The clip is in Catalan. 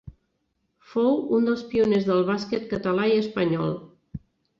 Fou un dels pioners del bàsquet català i espanyol.